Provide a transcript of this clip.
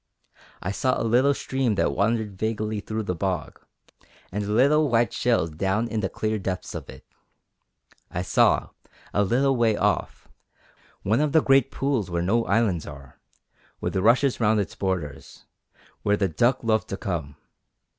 I saw a little stream that wandered vaguely through the bog, and little white shells down in the clear depths of it; I saw, a little way off, one of the great pools where no islands are, with rushes round its borders, where the duck love to come.